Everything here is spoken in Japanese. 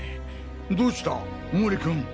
どうした毛利君？